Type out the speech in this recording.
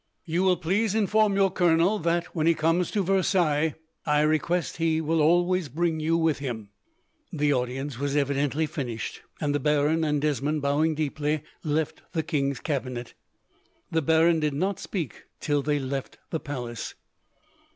"You will please inform your colonel that, when he comes to Versailles, I request he will always bring you with him." The audience was evidently finished, and the baron and Desmond, bowing deeply, left the king's cabinet. The baron did not speak, till they left the palace.